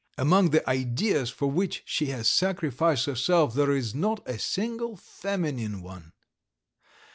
... among the ideas for which she has sacrificed herself there is not a single feminine one.